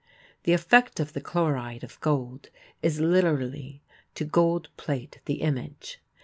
The effect of the chloride of gold is literally to gold plate the image.